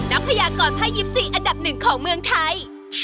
นักพยากรภรยิปสี่อันดับหนึ่งของเมืองไทย